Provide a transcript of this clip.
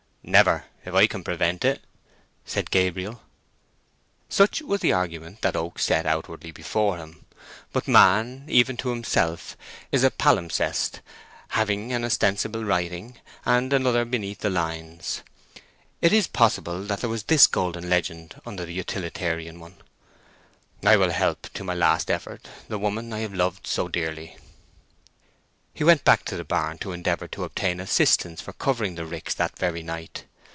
"Never, if I can prevent it!" said Gabriel. Such was the argument that Oak set outwardly before him. But man, even to himself, is a palimpsest, having an ostensible writing, and another beneath the lines. It is possible that there was this golden legend under the utilitarian one: "I will help to my last effort the woman I have loved so dearly." He went back to the barn to endeavour to obtain assistance for covering the ricks that very night.